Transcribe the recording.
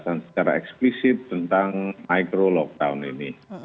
saya ingin mengatakan secara eksplisit tentang mikro lockdown ini